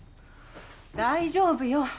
大丈夫よ。